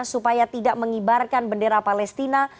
supaya tidak mengibarkan bendera palestina